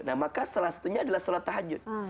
nah maka salah satunya adalah sholat tahajud